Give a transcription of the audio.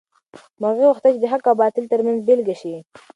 مرغۍ غوښتل چې د حق او باطل تر منځ بېلګه شي.